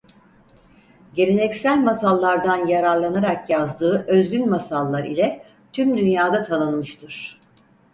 Geleneksel masallardan yararlanarak yazdığı özgün masallar ile tüm dünyada tanınmıştır.